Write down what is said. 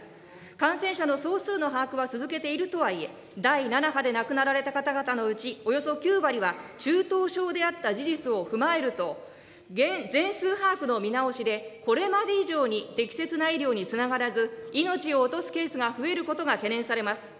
感染者の総数の把握は続けているとはいえ、第７波で亡くなられた方々のうち、およそ９割は、中等症であった事実を踏まえると、全数把握の見直しでこれまで以上に適切な医療につながらず、命を落とすケースが増えることが懸念されます。